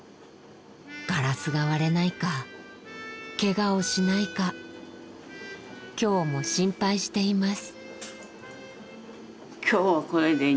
ガラスが割れないかケガをしないか今日も心配しています。